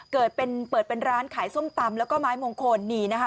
เปิดเป็นร้านขายส้มตำแล้วก็ไม้มงคล